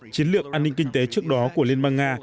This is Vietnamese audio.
chiến lược an ninh kinh tế trước đó của liên bang nga